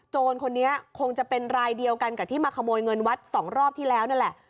คนนี้คงจะเป็นรายเดียวกันกับที่มาขโมยเงินวัด๒รอบที่แล้วนั่นแหละ